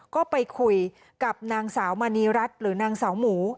ก็ไปคุยกับนางสาวมณีรัฐหรือนางสาวหมู